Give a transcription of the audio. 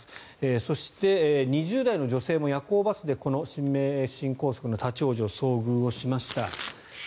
そして、２０代の女性も夜行バスでこの新名神高速の立ち往生に遭遇をしました。